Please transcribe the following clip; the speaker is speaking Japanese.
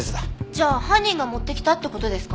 じゃあ犯人が持ってきたって事ですか？